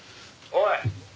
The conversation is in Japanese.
「おい！